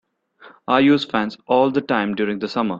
I use fans all the time during the summer